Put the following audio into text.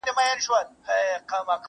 جانان ستا وي او په برخه د بل چا سي.